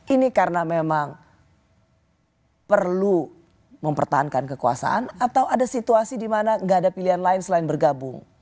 ini karena memang perlu mempertahankan kekuasaan atau ada situasi di mana gak ada pilihan lain selain bergabung